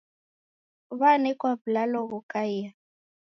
W'anekwa w'ulalo ghokaia